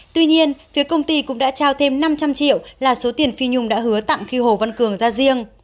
tuy nhiên phía công ty cũng đã trao thêm năm trăm linh triệu là số tiền phi nhung đã hứa tặng khi hồ văn cường ra riêng